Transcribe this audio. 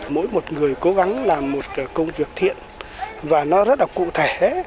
mỗi một người cố gắng làm một công việc thiện và nó rất là cụ thể